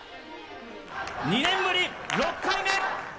２年ぶり６回目。